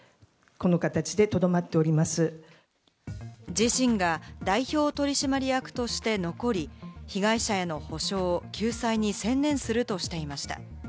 自身が代表取締役として残り、被害者への補償・救済に専念するとしていました。